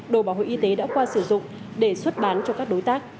đồ bảo hộ y tế đã qua sử dụng để xuất bán cho các đối tác